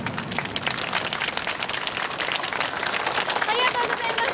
ありがとうございます！